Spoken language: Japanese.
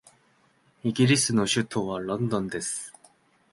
イギリスの首都はロンドンである